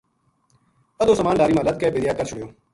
ادھو سامان لاری ما لد کے بِدیا کر چھُڑیو